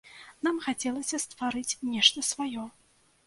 Нам хацелася стварыць нешта сваё.